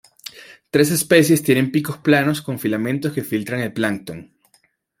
Tres especies tienen picos planos con filamentos que filtran el plancton.